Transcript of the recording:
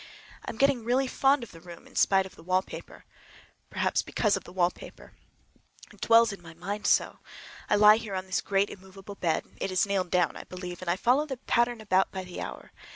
I'm getting really fond of the room in spite of the wallpaper. Perhaps because of the wallpaper. It dwells in my mind so! I lie here on this great immovable bed—it is nailed down, I believe—and follow that pattern about by the hour.